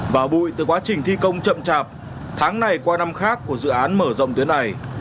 và bụi từ quá trình thi công chậm chạp tháng này qua năm khác của dự án mở rộng tuyến này